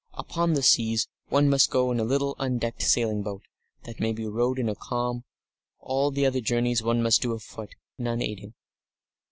Upon the seas one must go in a little undecked sailing boat, that may be rowed in a calm; all the other journeys one must do afoot, none aiding.